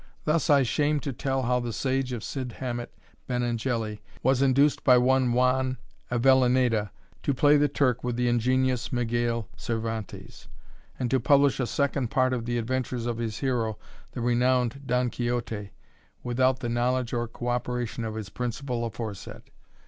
Thus I shame to tell how the sage Cid Hamet Benengeli was induced by one Juan Avellaneda to play the Turk with the ingenious Miguel Cervantes, and to publish a Second Part of the adventures of his hero the renowned Don Quixote, without the knowledge or co operation of his principal aforesaid.